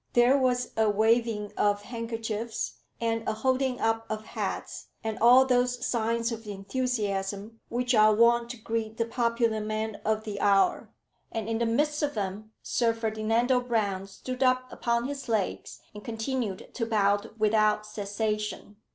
There was a waving of handkerchiefs, and a holding up of hats, and all those signs of enthusiasm which are wont to greet the popular man of the hour. And in the midst of them, Sir Ferdinando Brown stood up upon his legs, and continued to bow without cessation.